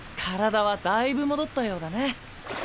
体はだいぶ戻ったようだね。